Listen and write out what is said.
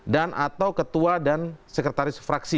dan atau ketua dan sekretaris fraksi